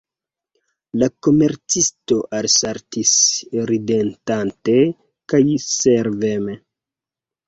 La komercisto alsaltis ridetante kaj serveme.